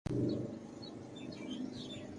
پر تو آيو ڪوئي ني